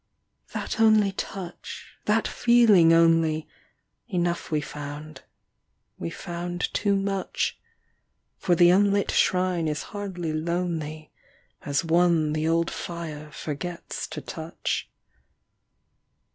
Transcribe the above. That only touch, that feeling only. Enough we found, we found too much ; For the unlit shrine is hardly lonely As one the old fire forgets to touch.